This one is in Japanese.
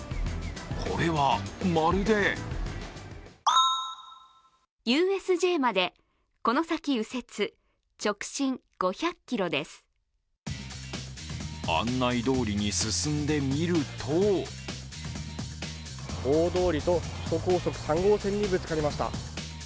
これはまるで案内どおりに進んでみると大通りと首都高速３号線にぶつかりました。